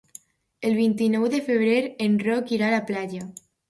El vint-i-nou de febrer en Roc irà a la platja.